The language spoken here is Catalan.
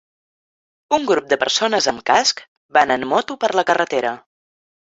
Un grup de persones amb casc van en moto per la carretera.